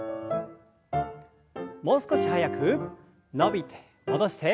もう少し速く伸びて戻して。